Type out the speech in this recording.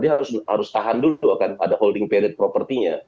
dia harus tahan dulu pada holding period propertinya